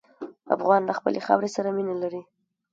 افغان له خپلې خاورې سره مینه لري.